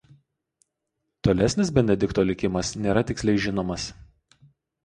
Tolesnis Benedikto likimas nėra tiksliai žinomas.